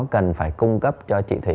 cần phải cung cấp cho chị thủy